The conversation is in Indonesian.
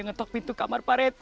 ngetok pintu kamar pak rt